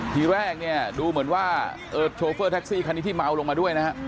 ทีแรกเนี่ยดูเหมือนว่าโชเฟอร์แท็กซี่คันนี้ที่เมาลงมาด้วยนะฮะ